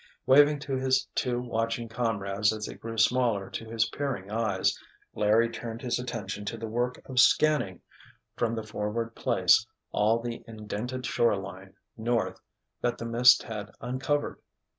Waving to his two watching comrades as they grew smaller to his peering eyes, Larry turned his attention to the work of scanning, from the forward place, all the indented shore line, north, that the mist had uncovered.